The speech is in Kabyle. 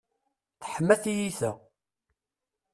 Teḥma tiyita.